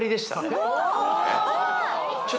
えっ？